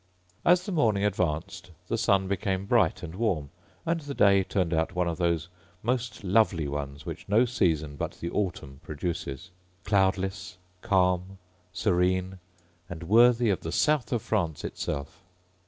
As the morning advanced the sun became bright and warm, and the day turned out one of those most lovely ones which no season but the autumn produces; cloudless, calm, serene, and worthy of the South of France itself.